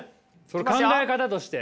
それ考え方として？